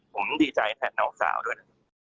ผมดีใจนะครับน้องสาวด้วย